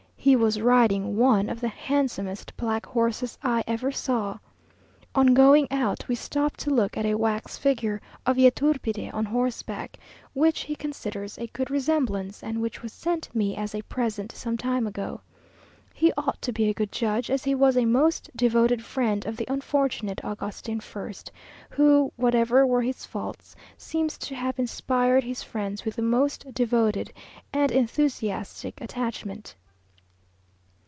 He was riding one of the handsomest black horses I ever saw. On going out we stopped to look at a wax figure of Yturbide on horseback, which he considers a good resemblance, and which was sent me as a present some time ago. He ought to be a good judge, as he was a most devoted friend of the unfortunate Agustin I., who, whatever were his faults, seems to have inspired his friends with the most devoted and enthusiastic attachment.